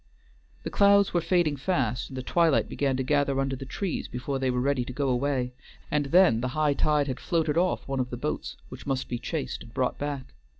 The clouds were fading fast and the twilight began to gather under the trees before they were ready to go away, and then the high tide had floated off one of the boats, which must be chased and brought back.